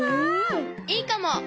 いいかも！